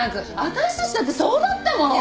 私たちだってそうだったもん。